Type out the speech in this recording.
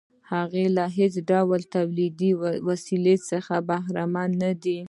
هغه له هېڅ ډول تولیدي وسیلې څخه برخمن نه دی